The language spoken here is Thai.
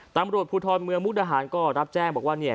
ตำรวจภูทรเมืองมุกดาหารก็รับแจ้งบอกว่าเนี่ย